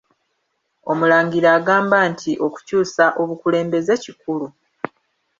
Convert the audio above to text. Omulangira agamba nti okukyusa obukulembeze kikulu